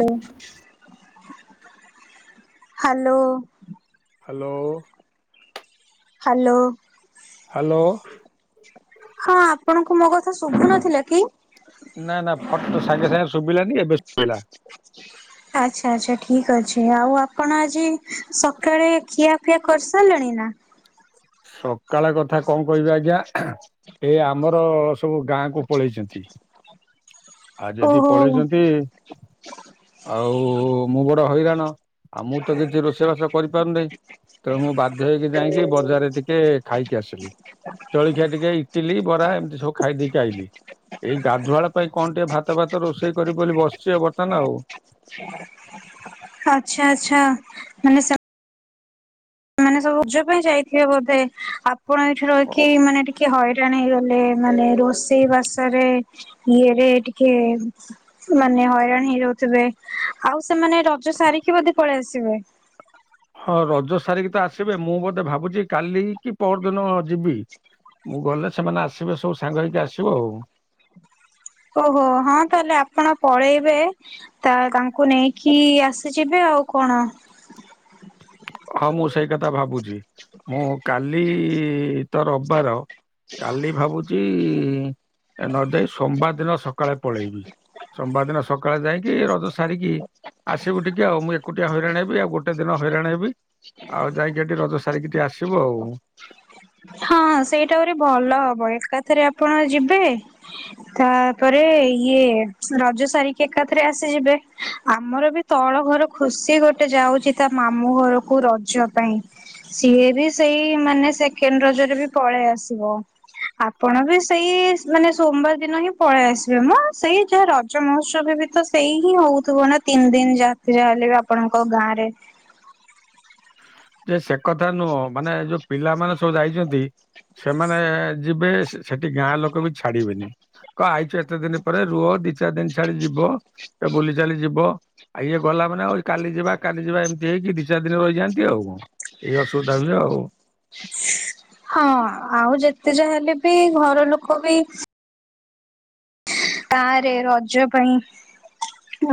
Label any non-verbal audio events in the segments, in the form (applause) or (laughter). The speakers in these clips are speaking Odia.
ଲୋ ହାଲୋ। ହ୍ୟାଲୋ। ହାଲୋ। ହାଲୋ। ହଁ ଆପଣଙ୍କୁ ମୋ କଥା ଶୁଭୁ ନଥିଲା କି? ନା ନା ଫଟ ସାଙ୍ଗେ ସାଙ୍ଗେ ଶୁଭିଲାନି ଏବେ ଶୁଭିଲା। ଆଚ୍ଛା ଆଚ୍ଛା ଠିକ୍ ଅଛି। ଆଉ ଆପଣ ଆଜି ସକାଳେ ଖିଆଫିଆ କରିସାରିଲେଣି ନା? ସକାଳ କଥା କଣ କହିବି ଆଜ୍ଞା ଏ ଆମର ସବୁ ଗାଁ କୁ ପଳେଇଛନ୍ତି। ଆ ଯଦି ଓହୋ ପଳେଇଛନ୍ତି ଆଉ ମୁଁ ବଡ ହଇରାଣ। ଆଉ ମୁଁ ତ କିଛି ରୋଷେଇବାସ କରିପାରୁନି। ତେଣୁ ମୁଁ ବାଧ୍ୟ ହେଇକି ଯାଇଁକି ବଜାରରେ ଟିକେ ଖାଇକି ଆସିଲି ଜଳଖିଆ ଟିକେ ଇଟିଲି ବରା ଏମିତି ସବୁ ଖାଇ ଦେଇେଇକି ଆଇଲିି। ଏଇ ଗାଧୁଆଳ ପାଇଁ କଣ ଟିକେ ଭାତ ଫାତ ରୋଷେଇ କରିବି ବୋଲି ବସିଛି ବର୍ତ୍ତମାନ ଆଉ। ହ ଆଛା ଆଚ୍ଛା ମାନେ ସ ମାନେ ସବୁ ପୂଜ ପାଇଁ ଯାଇଥିବେ ବୋଧେ ଆପଣ ଏଇଠି ରହିକି ମାନେ ଟିକେ ହ ଣ ହେଇଗଲେ ମାନେ ରୋଷେଇ ବାସ ରେ ଇଏରେ ଟିକେ ମାନେ ହଇରାଣ ହେଇ ରଉ ଥିବେ ଆଉ ସେମାନେ ରଜ ସାରିକି ବଧେ ପଳେଇ ଆସିବେ ହଁ ରଜ ସାରିକି ତ ଆସିବେ ମୁଁ ବୋଧେ ଭାବୁଛି କାଲି କି ପର ଦିନ ଯିବି। ମୁଁ ଗଲେ ସେମାନେ ଆସିବେ ସବୁ ସାଙ୍ଗ ହେଇକି ଆସିବୁ ଆଉ। ଓହୋ ହଁ ତାହେଲେ ଆପଣ ପଳେଇବେ। ତା ତାଙ୍କୁ ନେଇକି ଆସିଯିବେ ଆଉ କଣ। ହଁ ମୁଁ ସେଇ କଥା ଭାବୁଛି ମୁଁ କାଲି ତ ରବିବାର କାଲି ଭାବୁଛି। ନ ଯାଇ ସୋମବାର ଦିନ ସକାଳେ ପଳେଇବି ସୋମବାର ଦିନ ସକାଳେ ଯାଇକି ରଜ ସାରିକି ଆସିବୁ ଟିକେ ଆଉ ମୁଁ ଏକୁଟିଆ ହଇରାଣ ହେବି ଆଉ ଗୋଟେ ଦିନ ହଇରାଣ ହେବି। ଆଉ ଯାଇକି ଏଠି ରଜ ସାରିକି ଟିକେ ଆସିବୁ ଆଉ ହଁ ସେଇଟା ପରି ଭଲ ହବ ଏକାଥରେ ଆପଣ ଯିବେ। ତାପରେ ଇଏ ରଜ ସାରିକି ଏକାଥରେ ଆସିଯିବେ। ଆମର ବି ତଳ ଘର ଖୁସି ଗୋଟେ ଯାଉଛି ତା ମାମୁଁ ଘରକୁ ରଜ ପାଇଁ। ସିଏ ବି ସେଇ ମାନେ ସେକେଣ୍ଡ ରଜରେ ବି ପଳେଇ ଆସିବ। ଆପଣ ବି ସେଇ ମାନେ ସୋମବାର ଦିନ ହିଁ ପଳେଇ ଆସିବେ ମୁ ସେଇ ଯାହା ରଜ ମହୋତ୍ସବ ବି ତ ସେଇ ହିଁ ହଉଥିବ ନା ତିନି ଦିନ ଯହା ଯାହା ହେଲେ ବି ଆପଣଙ୍କ ଗାଁ ରେ। ଯେ ସେ କଥା ନୁହଁ ମାନେ ଯୋଉ ପିଲାମାନୋନେ ସବୁ ଯାଇଛନ୍ତି। ସେମାନେ ଯିବେ ସେଠି ଗାଁ ଲୋକ ବି ଛାଡିବେନି କ ଆଇଚ ତ ଦିନ ପରେ ରୁହ ଦି ଚାରି ଦିନ ଛାଡି ଯିବ। ବୁଲି ଚାଲି ଯିବ ଆଉ ଇଏ ଗଲା ମାନେ କାଲି ଯିବା କାଲି ଯିବା ଏମିତି ହେଇକି ଦି ଚାରି ଦିନ ର ଯାଆନ୍ତି ଆଉ କଣ ଏଇ ଅସୁବିଧା ବି ଆଉ। ହଁ ଆଉ ଯେତେ ଯା ହେଲେ ବି ଘର ଲୋକ ବି ତା ରେ ରଜ ପାଇଁ।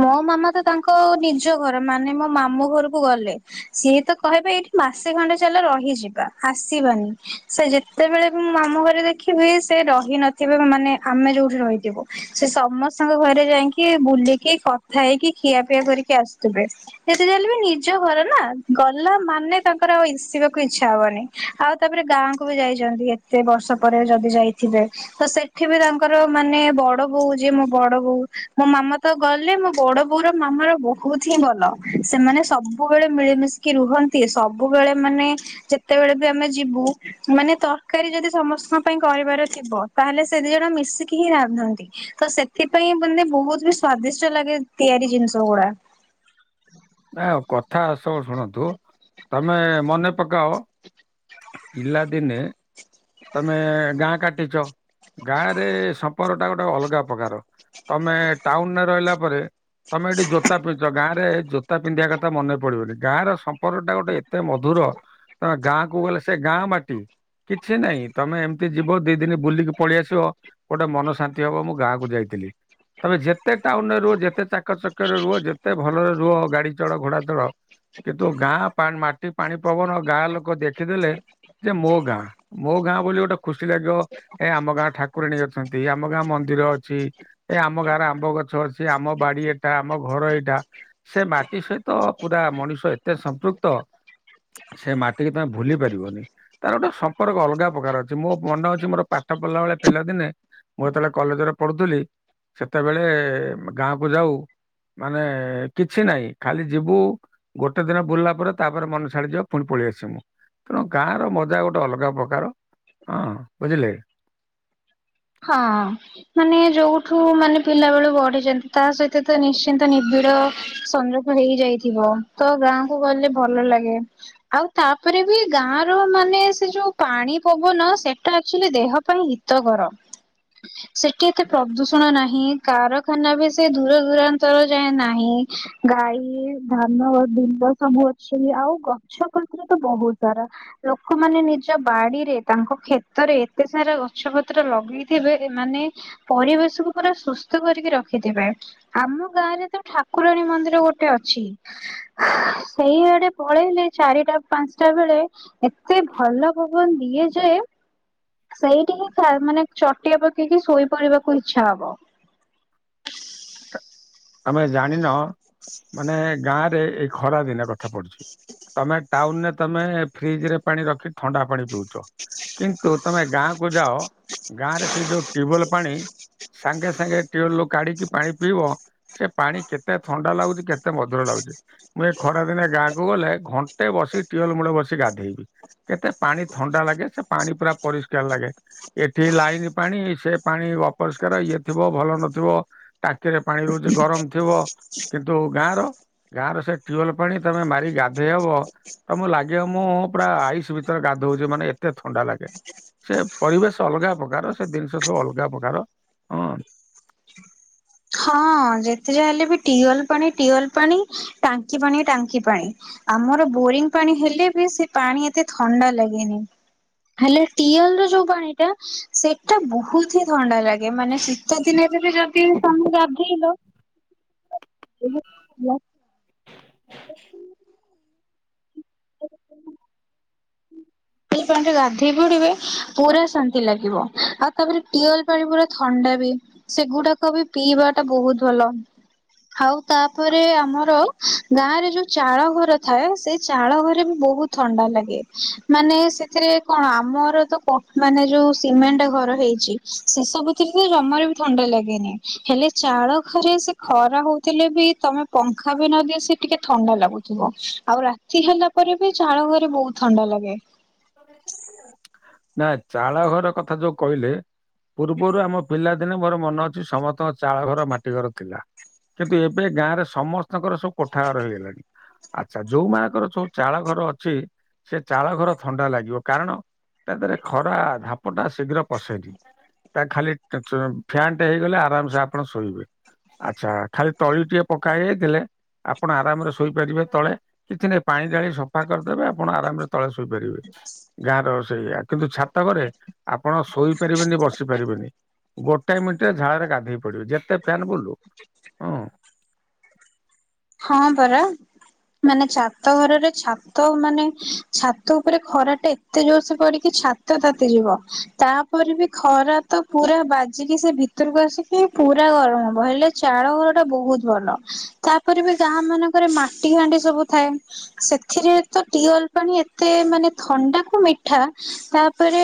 ମୋ ମାମା ତ ତାଙ୍କ ନିଜ ଘର ମାନେ ମୋ ମାମୁଁ ଘରକୁ ଗଲେ। ସିଏ ତ କହିବ ଏଇଠି ମାସେ ଖଣ୍ଡେ ଚାଲ ରହିଯିବା ଆସିବାନି ସେ ଯେ ସେତବେଳେ ବି ମୁଁ ମମୁ ଘରେ ଦେଖିବି ସେ ରହି ନଥିବେ ମାନେ ଆମେ ଯୋଉଠି ରହିଥିବୁ ସେ ସମସ୍ତଙ୍କ ଘରେ ଯାଇକି ବୁଲିକି କଥା ହେଇକି ଖିଆପିଆ କରିକି ଆସୁଥିବେ। ସେତେ ଜଳେ ବି ନିଜ ଘର ନା ଗଲା ମାନେ ତାଙ୍କର ଆଉ ସିବାକୁ ଇଚ୍ଛା ହବନି। ଆଉ ତାପରେ ଗାଁକୁ ବି ଯାଇଛନ୍ତି ଏତେ ବର୍ଷ ପରେ ଯଦି ଯାଇଥିବେ ତ ସେଠି ବି ତାଙ୍କର ମାନେ ବ ବଡ ବୋଉ ଯେ ମୋ ବଡ ବୋଉ ମୋ ମାମା ତ ଗଲେ ମୋ ବଡ ବୋଉର ମାମା ର ବ ବହୁତ ହିଁ ଭଲ ସେମାନେ ସବୁବେଳେ ମିଳିମିଶିକି ରୁହନ୍ତି ସବୁବେଳେ ମାନେ ଯେତେବେଳେ ବି ଆମେ ଯିବୁ ମାନେ ତରକାରୀ ଯଦି ସମସ୍ତଙ୍କ ପାଇଁ କରିବାର ଥିବ ତାହେଲେ ସେ ଦି ଜଣ ମିଶିକି ହିଁ ରାନ୍ଧନ୍ତି। ତ ସେଥିପାଇଁ ମାନେ ବହୁତ ବି ସ୍ଵାଦିଷ୍ଟ ଲାଗେ ତିଆରି ଜିନିଷ ଗୁଡା ନା ଆଉ କଥା ସବୁ ଶୁଣନ୍ତୁ ତମେ ମନେ ପକାଅ ପିଲା ଦିନେ ତମେ ଗାଁ କାଟିଛ ଗାଁରେ ସମ୍ପର୍କ ଟା ଗୋଟେ ଅଲଗା ପ୍ରକାର ତମେ ଟାଉନରେ ରହିଲା ପରେ ତମେ ଏଇଠି ଜୋତା ପିନ୍ଧ ଗାଁରେୋତା ପିନ୍ଧିବା କଥା ମନେ ପଡିବନି ଗାଁର ସମ୍ପର୍କ ଟା ଗୋଟେ ଏତେ ମଧୁର ତମେ ଗାଁ କ ଗଲେ ସେ ଗାଁ ମାଟି କିଛି ନାଇଁ ତମେ ଏମିତି ଯିବ ଦି ଦିନ ବୁଲିକି ପଳେଇ ଆସିବ। ଗୋଟେ ମନ ଶାନ୍ତି ହବ ମୁଁ ଗାଁକୁୁ ଯାଇଥିଲି ତାମେ ଯେତେ ଟାଉନରେ ରୁ ଯେତେ ଚା ଏକ ଚକ ରୁହ ଯେତେ ଭଲରେ ରୁହ ଗାଡି ଚ ଘୋଡ଼ା ଚଡ କିନ୍ତୁ ଗାଁ ମାଟି ପାଣି ପବନ ଗାଁ ଲୋକ ଦେଖ ଦେଖିଦେଲେ ଯେ ମୋ ଗାଁ ମୋ ଗାଁ ବୋଲି ଗୋଟେ ଖୁସି ଲାଗିବ ଏ ଆମ ଗାଁ ଠାକ କୁରାଣୀ ଅଛନ୍ତି ଆମ ଗାଁ ମନ୍ଦିର ଅଛି ଏ ଆମ ଗାଁରେ ଆମ୍ବ ଗଛ ଅଛି ଆମ ବାଡି ଏଟା ଆମ ଘର ଏଇଟା ସେ ମାଟି ସହିତ ପୁରା ମଣିଷ ଏତେ ସମ୍ପୃକ୍ ତ ସେ ମାଟିିକି ତମେ ଭୁଲି ପାରିବନି ତାର ଗୋଟେ ସ ମ୍ପର୍କ ଅଲଗା ପ୍ରକାର ଅଛି ମୋ ମନେ ଅଛି ମୋର ପାଠ ପଢିଲା ବେଳେ ପିଲାଦିନେ ମୁଁ ଯେତେବେଳେ କଲେଜରେ ପଢୁଥିଲି ସେତେବେଳେ ଗାଁ କୁ ଯାଉ ମାନେ କିଛି ନହିଁ ଖାଲି ଯିବୁ ଗୋଟେ ଦିନ ବୁଲିଲା ପରେ ତାପରେ ମନେ ଛାଡିଯିବ ପୁଣି ପଳେଇ ଆସିବୁ ତେଣୁ ଗାଁ ମଜା ଗୋଟେ ଅଲଗା ପ୍ରକାର ହଁ ବୁଝିଲେ। ହଁ ମାନେ ଯୋଉଠୁ ମାନେ ପିଲାବେଳୁ ବଢିଛନ୍ତି ତା ସହିତ ତ ନିଶ୍ଚିନ୍ତ ନିିବିଡ଼ ସଂଯ ହେଇଯାଇଥିବ ତ ଗାଁକୁ ଗଲେ ଭଲ ଲାଗେ। ଆଉ ତାପରେ ବି ଗାଁ ର ମାନେ ସେ ଯୋଉ ପାଣି ପବନ ସେଟା ଆଚୁଆଲି ଦେହ ପାଇଁ ହିତକର ସେଠି ଏତେ ପ୍ରଦୂଷଣ ନାହିଁ କାରଖାନା ବି ସେ ଦୂର ଦୂରାନ୍ତର ଯାଏ ନାହିଁ। ଗାଈ ଧାନ ବିଣ୍ଡ ସମୂ ସେଇ ଆଉ ଗଛ କତରେ ତ ବହୁତ ସାରା। ଲୋକମାନେ ନିଜ ବାଡିରେ ତାଙ୍କ କ୍ଷେତରେ ଏତେ ସାରା ଗଛ ପତ୍ର ଲଗ ଥିବେ ମାନେ ପରିବେଶକୁୁ ପୁରା ସୁସ୍ଥ କରିକି ରଖିଥିବେ। ଆମ ଗାଁରେ ତ ଠାକୁରାଣୀ ମନ୍ଦିର ଗୋଟେ ଅଛି। ସେଇଆଡେ ପଳେଇଲେ ଚାରିଟା ପାଞ୍ଚଟା ବେଳେ ଏତେ ଭଲ ପବନ ଦିଏ ଯେ ସେଇଠି ହିଁ ସାରେ ମାନେ ଚଟିଆ ପକେଇକି ଶୋଇପଡିବାକୁ ଇଚ୍ଛା ହବ। ତମେ ଜାଣିନ ମାନେ ଗାଁ ରେ ଏଇ ଖରା ଦିନ କଥା ପଢୁଛି ତମେ ଟାଉନ ରେ ତମ ଫ୍ରିଜ ରେ ପାଣି ରଖି ଥଣ୍ଡା ପାଣି ପିଉଛ କିନ୍ତୁ ତମେ ଗାଁ କୁ ଯାଅ ଗାଁ ରେ ସେ ଯୋଉ ଟ୍ୟୁବଲ ପାଣି ସାଙ୍ଗେ ସାଙ୍ଗେ ଟ୍ୟୁବଲୁ କାଢ଼ିକି ପାଣି ପିଇବ ସେ ପାଣି କେତେ ଥଣ୍ଡା ଲାଗୁଛି କେତେ ମଧୁର ଲାଗୁଛି ମୁଁ ଏ ଖରା ଦିନେ ଗାଁକୁ ଗଲେ ଘ ଆଗେ ବସି ଟିୱେଲ ମୂଳ ବସି ଗାଧେଇବି। କେତେ ପାଣି ଥଣ୍ଡା ଲାଗେ ସେ ପାଣି ପୁରା ପରିଷ୍କାର ଲାଗେ। ଏଠି ଲାଇନ୍ ପାଣି ସେ ପାଣି ଅପରିଷ୍କାର ଇଏ ଥିବ ଭଲ ନଥିବ ଟାଙ୍କିରେ ପାଣି ରହୁଛି ଗରମ ଥିବ କିନ୍ତୁ ଗାଁର ଗାଁରେ ସେ ଟ୍ୟୁଲ ପାଣି ତମେ ମାରି ଗାଧେଇ ହବ ତ ମୁଁ ଲାଗିବ ମୁଁ ପୁରା ଆଇସ ଭିତରେ ଗାଧଉଛି ମାନେ ଏତେ ଥଣ୍ଡା ଲାଗେ। ସେ ପରିବେଶ ଅଲଗା ପ୍ରକାର ସେ ଜିନିଷ ସବୁ ଅଲଗା ପ୍ରକାର ହଁ। ହଁ ଯେତେ ଯାହା ହେଲେ ବି ଟିୱେଲ ପାଣି ଟିୱେଲ୍ ପାଣି ଟାଙ୍କି ପାଣି ଟାଙ୍କି ପାଣି। ଆମର ବୋରିଂ ପାଣି ହେଲେ ବି ସେ ପାଣି ଏତେ ଥଣ୍ଡା ଲାଗେନି। ହେଲେ ଟିୱଲ ର ଯୋଉ ପାଣି ଟା ସେଇଟା ବହୁତ ହି ଥଣ୍ଡା ଲାଗେ। ଏ ମାନେ ଶୀତ ଦିନେ ଦେଲେ ଯଦି (inaudible) ଟିୱେଲ୍ ପାଣିରେ ଗାଧୋଇ ପୁଡିବେ ପୁରା ଶାନ୍ତି ଲାଗିବ ଆଉ ତାପରେ ଟିୱେଲ ପାଣି ପୁରା ଥଣ୍ଡା ବି। ସେଗୁଡାକ ବି ପିଇବା ଟା ବହୁତ ଭଲ। ଆଉ ତାପରେ ଆମର ଗାଁ ରେ ଯୋଉ ଚାଳ ଘର ଥାଏ ସେଇ ଚାଳ ଘରେ ବି ବହୁତ ଥଣ୍ଡା ଲାଗେ ମାନେ ସେଥିରେ କଣ ଆମର ତ ମାନେ ଯୋଉ ସିମେଣ୍ଟ ଘର ହେଇଛି ସେ ସବୁ ସେଥି ତ ଜମାରେ ବି ଥଣ୍ଡା ଲାଗେନି ହେଲେ ଚାଳ ଘରେ ସେ ଖରା ହଉଥିଲେ ବି ତମେ ପଙ୍ଖା ବି ନଦିଏ ସି ଟିକେ ଥଣ୍ଡା ଲାଗୁଥିବ ଆଉ ରା ତି ହେଲା ପରେ ବି ଚାଳ ଘରେ ବହୁତ ଥଣ୍ଡା ଲାଗେ। ନା ଚାଳ ଘର କଥା ଯୋଉ କହିଲେ ପୂର୍ବରୁ ଆମ ପିଲା ଦିନେ ମୋର ମନେ ଅଛି ସମସ୍ତଙ୍କ ଚାଳ ଘର ମାଟି ଘର ଥିଲା କିନ୍ତୁ ଏବେ ଗାଁରେ ସମସ୍ତ ତାଙ୍କର ସବୁ କୋଠା ଘର ହେଇଗଲାଣି। ଆଛା ଯୋଉ ମାଙ୍କର ଯୋଉ ଚାଳ ଘର ଅଛି ସେ ଚାଳ ଘର ଥଣ୍ଡା ଲାଗିବ କାରଣ ତା ଦେହରେ ଖରା ଧାପ ଟା ଶୀଘ୍ର ପଶେନି। ତା ଖାଲି ଫ୍ୟାନଟେ ହେଇଗଲେ ଆରାମସେ ଆପଣ ଶୋଇବେ। ଆଚ୍ଛା ଖାଲି ତଳି ଟିକେ ପକା ହେଇଯାଇଥିଲେ ଆପଣ ଆରାମରେ ଶୋଇପାରିବେ ତଳେ। କିଛି ନାହିଁ ପାଣି ଡାଳି ସଫା କରିଦେବେ ଆପଣ ଆରାମରେ ତଳେ ଶୋ ଇ ପାରିବେ ଗାଁ ର ସେଇଆ କିନ୍ତୁ ଛାତ ତ ଘରେ ଆପଣ ଶୋଇପାରିବେନି ବସି ପାରିବେନି। ଗୋଟାଏ ମିନିଟରେ ଝାଳରେ ଗାଧେଇ ପଡିବେ ଯେତେ ଫ୍ୟାନ ବୁଲୁ ହୁଁ। ହଁ ପରା। ମାନେ ଛାତ ଘରରେ ଛାତ ମାନେ ଛାତ ଉପରେ ଖରା ଟେ ଏତେ ଯୋର୍ ସେ ପଡିକି ଛାତ ତାତି ଯିବ। ତାପରେ ବି ଖରା ତ ପୁରା ବାଜିକି ସେ ଭିତ୍ ତରକୁ ଆସିକି ପୁରା ଗରମ ହବ, ହେଲେ ଚାଳ ଘର ଟା ବହୁତ ଭଲ। ତା ଉପରେ ବି ଗାଁ ମାନଙ୍କରେ ମାଟି ହାଣ୍ଡି ସବୁ ଥାଏ। ସେଥିରେ ତ ଟିୱଲ ପାଣି ଏତେ ମାନେ ଥଣ୍ଡାକୁ ମିଠା ତାପରେ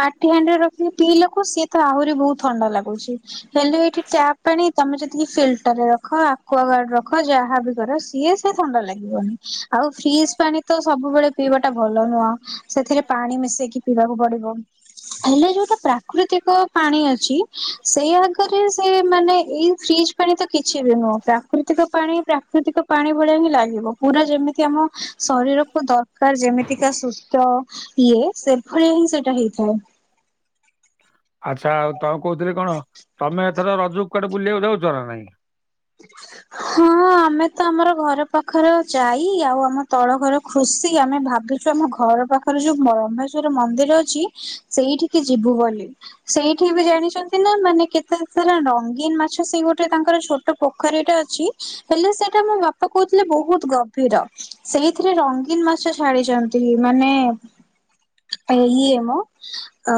ମାଟି ହାଣ୍ଡିରେ ରଖିକି ପିଇଲାକୁ ସିଏ ତ ଆହୁରି ବହୁତ ଥଣ୍ଡା ଲାଗୁଚି। ହେଲେ ଏଇଠି ଟ୍ୟାପ୍ ପାଣି ତମେ ଯଦି ଫିଲ୍ଟରରେ ରଖ ଆକ୍ୱାଗାର୍ଡ ରଖ ଖ ଯାହା ବି କର ସିଏ ସେ ଥଣ୍ଡା ଲାଗିବନି ଆଉ ଫ୍ରିଜ ପାଣି ତ ସବୁବେଳେ ପିଇବାଟା ଭଲ ନୁହଁ ସେଥିରେ ପାଣି ମିଶେଇକି ପିଇବାକୁ ପଡିବ। ହେଲେ ଯୋଉଟା ପ୍ରାକୃତିକ ପାଣି ଅଛି ସେଇ ଆଗରେ ସେ ମାନେ ଏଇ ଫ୍ରିଜ ପାଣି ତ କିଛି ବି ନୁହଁ ପ୍ରାକୃ ତିକ ପାଣି ପ୍ରାକୃତିକ ପାଣି ଭଳିଆ ହିଁ ଲାଗିବ। ପୁରା ଯେମିତି ଆମ ଶରୀରକୁୁ ଦରକାର ଯେମିତିକା ସୁସ୍ଥ ଇଏ ସେଭଳିଆ ହିଁ ସେଇଟା ହେଇଥାଏ। ଆଚ୍ଛା ଆଉ ତ କହୁଥିଲି କଣ ତମେ ଏଥର ରଜ କୁଆଡେ ବୁଲିବାକୁ ଯାଉଚ ନା ନାଇଁ? (inaudible) ହଁ ଆମେ ତ ଆମର ଘର ପାଖର ଜାଇ ଆଉ ଆମ ତଳ ଘର ଖୁସି ଆମେ ଭାବି ଚୁ ଆମ ଘର ପାଖରେ ଯୋଉ ବ୍ରହ୍ମେଶ୍ଵର ମନ୍ଦିର ଅଛି ସେଇଠିକି ଯିବୁ ବୋଲି। ସେଇଠି ବି ଜାଣିଚନ୍ତି ନା ମାନେ କେତେ ସାରା ରଙ୍ଗୀନ ମାଛ ସେଇ ଗୋଟେ ତାଙ୍କର ଛୋଟ ଟ ପୋଖରୀ ଟା ଅଛି ହେଲେ ସେଇଟା ମୋ ବାପା କହୁଥିଲେ ବହୁତ ଗଭୀର। ସେଇଥିରେ ରଙ୍ଗୀନ ମାଛ ଛାଡିଚନ୍ତି ମାନେ ଏ ଇଏ ମ ଆ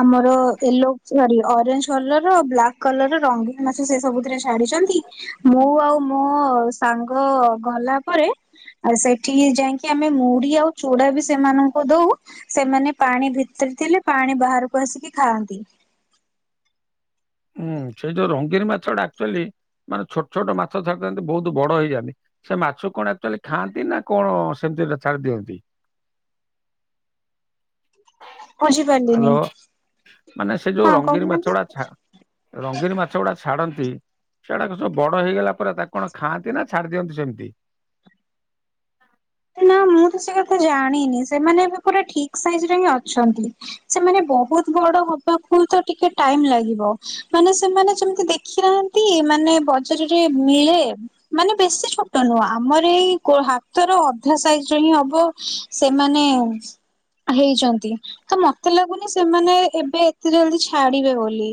ଆମର ୟେଲୋ ସରି ଅରେଞ୍ଜ କଲରର ବ୍ଲାକ୍ କଲରର ରଙ୍ଗୀନ ମାଛ ସେ ସବୁ ଛାଡିଚନ୍ତି ମୁଁ ଆଉ ମୋ ସାଙ୍ଗ ଗଲା ପରେ ଆଉ ସେଠି କି ଯାଇକି ଆମେ ମୁଢି ଆଉ ଚୁଡା ବି ସେମାନଙ୍କୁ ଦଉ। ସେମାନେ ପାଣି ଭିତରେ ଥିଲେ ପାଣି ବାହାରକୁ ଆସିକି ଖାଆନ୍ତି। ଉଁ ସେଇ ଯୋଉ ରଙ୍ଗୀନ ମାଛଟା ଆକ୍ଚୁଆଲି ମାନେ ଥାଆନ୍ତି ଛୋଟ ମାଛ ଥାଆନ୍ତି ବହୁତ ବଡ ହେଇଯାନ୍ତି। ସେ ମାଛକୁ କଣ ଆକ୍ଚୁଆଲି ଖାଆନ୍ତି ନା କଣ ସେମିତି ଆକା ଛାଡ଼ି ଦିଅନ୍ତି? (inaudible) ବୁଝିପାରିଲିନି ହ୍ୟାଲୋ ମାନେ ସେ ଯୋଉ ହଁ ରଙ୍ଗିନ କହୁ ନାହାନ୍ତି। ମାଛଗୁଡା ଛା ରଙ୍ଗୀନ ମାଛ ଗୁଡାକ ଛାଡନ୍ତି। ସେଇ ଗୁଡାକ ସବୁ ବଡ ହେଇଗଲା ପରେ ତାକୁ କଣ ଖାଆନ୍ତି ନା ଛାଡି ଦିଅନ୍ତି ସେମିତି? ନା ମୁଁ ତ ସେ କଥା ଜାଣିନି। ସେମାନେ ଏବେ ପୁରା ଠିକ ସାଇଜ ରେ ହିଁ ଅଛନ୍ତି। ସେମାନେ ବହୁତ ବଡ ହବାକୁ ତ ଟିକେ ଟାଇମ ଲାଗିବ। ମାନେ ସେମାନେ ଯେମିତି ଦେଖିନାହାନ୍ତି ତି ମାନେ ବଜାରରେ ମିଳେ। ମାନେ ବେଶୀ ଛୋଟ ନୁହଁ ଆମର ଏଇ ହାତର ଅଧ ସାଇଜ ହିଁ ହବ ସେମାନେ ହେଇଚନ୍ତି। ତ ମତେ ଲାଗୁନି ସେମାନେ ଏବେ ଏତେ ଜଲଦି ଛାଡିବେ ବୋଲି।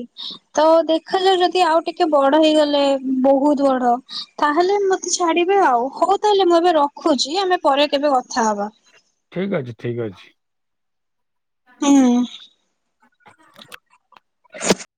ତ ଦେଖାଯାଉ ଯଦି ଆଉ ଟିକେ ବଡ ହେଇଗଲେ ବହୁତ ବଡ ତାହେଲେ ବୋଧେ ଛାଡିବେ ଆଉ ହଉ ତାହେଲେ ମୁଁ ଏବେ ରଖୁଚି ଆମେ ପରେ କେବେ କଥା ହବା। ଠିକ ଅଛି ଠିକ୍ ଅଛି। ହୁଁ।